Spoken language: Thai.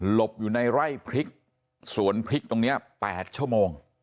อยู่ในไร่พริกสวนพริกตรงนี้๘ชั่วโมง